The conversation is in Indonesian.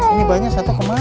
ini banyak satu kemana ya